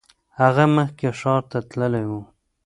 هغه مخکې ښار ته تللی و.